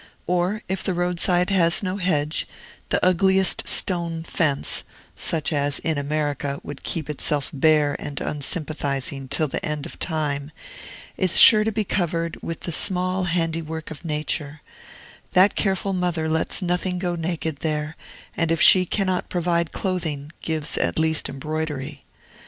Or, if the roadside has no hedge, the ugliest stone fence (such as, in America, would keep itself bare and unsympathizing till the end of time) is sure to be covered with the small handiwork of Nature; that careful mother lets nothing go naked there, and if she cannot provide clothing, gives at least embroidery.